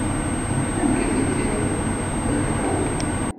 Anga teddiḍ, lhu.